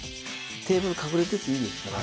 テーブル隠れてていいですから。